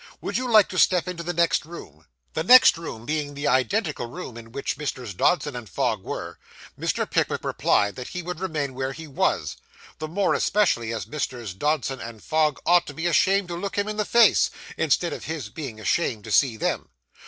Would you like to step into the next room?' The next room being the identical room in which Messrs. Dodson & Fogg were, Mr. Pickwick replied that he would remain where he was: the more especially as Messrs. Dodson & Fogg ought to be ashamed to look him in the face, instead of his being ashamed to see them.